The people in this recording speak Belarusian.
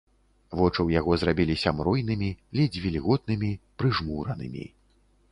Вочы ў яго зрабіліся мройнымі, ледзь вільготнымі, прыжмуранымі.